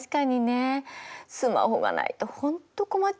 スマホがないと本当困っちゃうよね。